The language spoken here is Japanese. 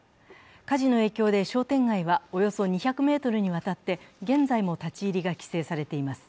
火事の影響で商店街はおよそ２００メートルにわたって現在も立ち入りが規制されています。